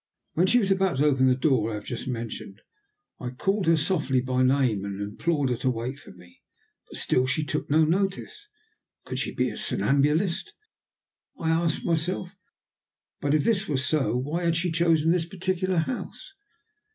When she was about to open the door I have just mentioned, I called her softly by name, and implored her to wait for me, but still she took no notice. Could she be a somnambulist? I asked myself. But if this were so, why had she chosen this particular house?